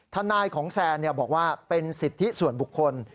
ทนายของแซนบอกว่าเป็นสิทธิส่วนบุคคล